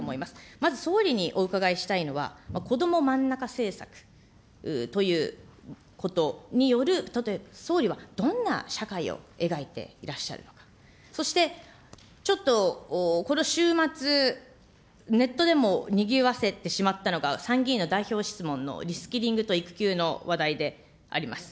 まず総理にお伺いしたいのは、こどもまんなか政策ということによる、たとえば総理はどんな社会を描いていらっしゃるのか、そして、ちょっとこの週末、ネットでもにぎわせてしまったのが参議院の代表質問のリスキリングと育休の話題であります。